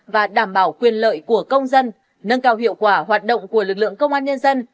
và đảm bảo quyền lợi của công dân nâng cao hiệu quả hoạt động của lực lượng công an nhân dân